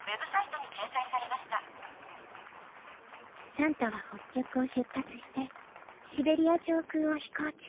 サンタは北極を出発してシベリア上空を飛行中。